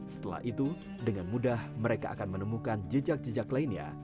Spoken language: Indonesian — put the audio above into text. setelah itu dengan mudah mereka akan menemukan jejak jejak lainnya